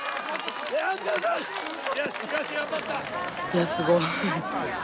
いやすごい。